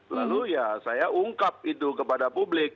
lalu ya saya ungkap itu kepada publik